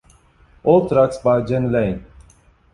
All tracks by Jani Lane.